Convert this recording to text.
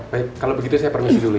baik kalau begitu saya permisi dulu